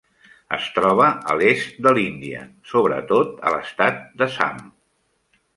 Es troba a l'est de l'Índia, sobretot a l'estat d'Assam.